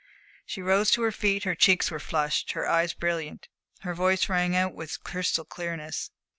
She rose to her feet, her cheeks were flushed, her eyes brilliant, her voice rang out with crystal clearness.